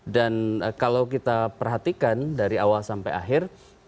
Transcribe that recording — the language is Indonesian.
dan kalau kita perhatikan dari awal sampai akhir